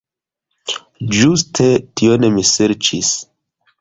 Ĝuste tion mi serĉis.